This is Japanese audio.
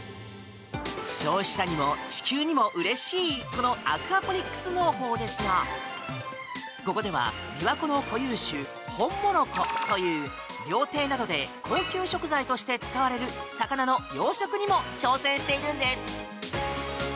消費者にも地球にもうれしいこのアクアポニックス農法ですがここでは琵琶湖の固有種ホンモロコという料亭などで高級食材として使われる魚の養殖にも挑戦しているんです。